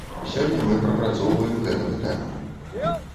Сёння мы прапрацоўваем гэта пытанне.